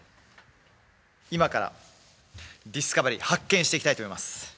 今からディスカバリー発見していきたいと思います